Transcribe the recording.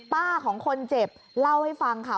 ของคนเจ็บเล่าให้ฟังค่ะ